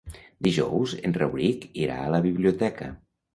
Dijous en Rauric irà a la biblioteca.